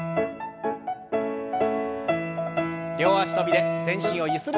両脚跳びで全身をゆする運動です。